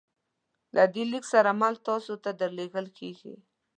له دې لیک سره مل تاسو ته درلیږل کیږي